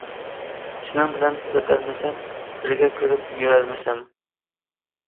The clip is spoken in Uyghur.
سېنىڭ بىلەن ئۆتەلمىسەم، بىرگە كۈلۈپ يۈرەلمىسەم.